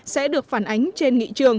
sẽ được phản ánh trên nghị